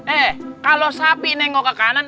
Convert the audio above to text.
eh kalau sapi nengok ke kanan